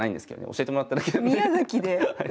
教えてもらっただけなんで。